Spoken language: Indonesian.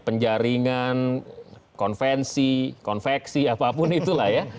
penjaringan konvensi konveksi apapun itulah ya